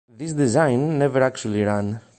This design never actually ran.